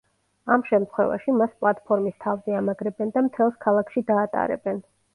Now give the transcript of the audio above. ამ შემთხვევაში, მას პლატფორმის თავზე ამაგრებენ და მთელს ქალაქში დაატარებენ.